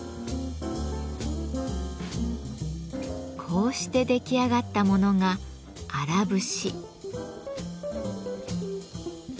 こうして出来上がったものが「荒節」。